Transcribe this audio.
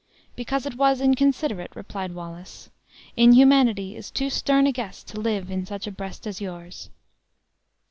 "Because it was inconsiderate," replied Wallace. "Inhumanity is too stern a guest to live in such a breast as yours."